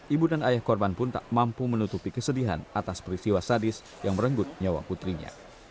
ibu dan ayah korban pun tak mampu menutupi kesedihan atas peristiwa sadis yang merenggut nyawa putrinya